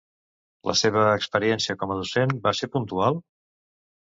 La seva experiència com a docent va ser puntual?